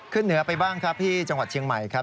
เหนือไปบ้างครับที่จังหวัดเชียงใหม่ครับ